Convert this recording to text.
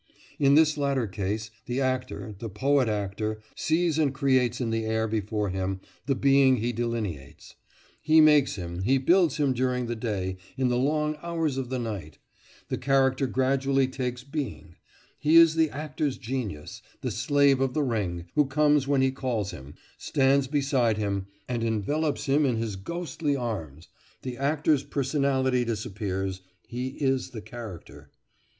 In this latter case the actor, the poet actor, sees and creates in the air before him the being he delineates; he makes him, he builds him during the day, in the long hours of the night; the character gradually takes being; he is the actor's genius; the slave of the ring, who comes when he calls him, stands beside him, and envelops him in his ghostly arms; the actor's personality disappears; he is the character.